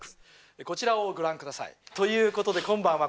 こちらをご覧くださいということで今晩は